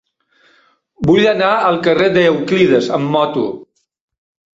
Vull anar al carrer d'Euclides amb moto.